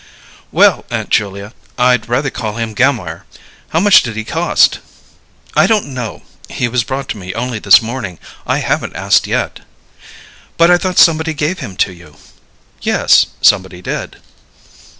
"Well, Aunt Julia, I'd rather call him Gammire. How much did he cost?" "I don't know; he was brought to me only this morning, and I haven't asked yet." "But I thought somebody gave him to you." "Yes; somebody did."